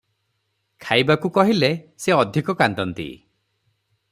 ଖାଇବାକୁ କହିଲେ ସେ ଅଧିକ କାନ୍ଦନ୍ତି ।